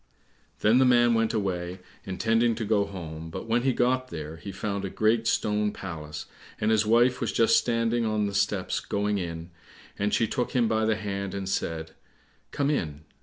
Then the man went away, intending to go home, but when he got there, he found a great stone palace, and his wife was just standing on the steps going in, and she took him by the hand and said, "Come in."